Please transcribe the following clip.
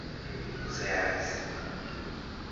direitos reais